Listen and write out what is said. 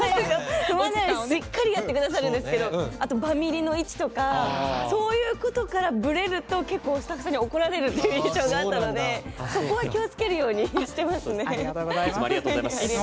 しっかりやってくださるんですけどバミりの位置とかそういうことからブレると結構、スタッフさんに怒られる印象があるのでそこは気をつけるようにしてますね。